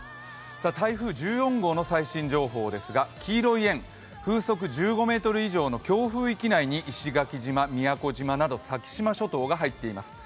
台風１４号の最新情報ですが黄色い円、風速１５メートル以上の強風域内に石垣島、宮古島など先島諸島が入っています。